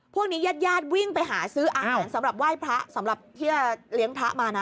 พวกนี้ญาติญาติวิ่งไปหาซื้ออาหารสำหรับไหว้พระสำหรับที่จะเลี้ยงพระมานะ